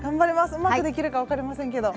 うまくできるか分かりませんけど。